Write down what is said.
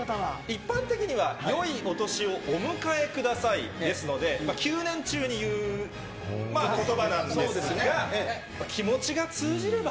一般的には、よいお年をお迎えくださいですので、旧年中に言うことばなんですが、気持ちが通じれば。